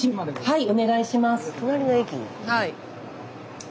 はい。